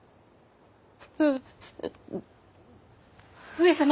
上様！